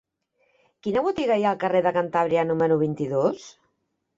Quina botiga hi ha al carrer de Cantàbria número vint-i-dos?